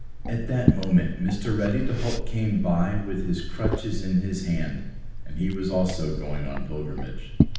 At that moment Mr. Ready to halt came by with his crutches in his hand, and he also was going on pilgrimage.